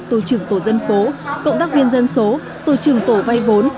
tổ trưởng tổ dân phố cộng tác viên dân số tổ trưởng tổ vay vốn